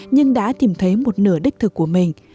nhưng đã tìm thấy một nửa đích thực của mình